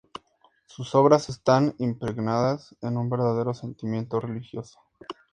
Sus obras están impregnadas de un verdadero sentimiento religioso.